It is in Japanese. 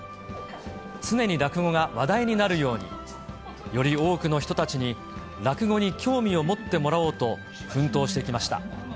常に落語が話題になるように、より多くの人たちに、落語に興味を持ってもらおうと、奮闘してきました。